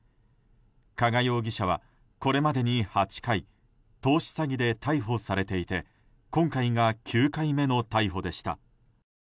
加賀容疑者はこれまでに８回投資詐欺で逮捕されていて今回が９回目の逮捕でした。